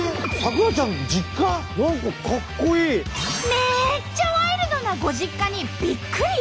めっちゃワイルドなご実家にびっくり！